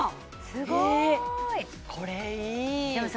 すごいこれいいでもさ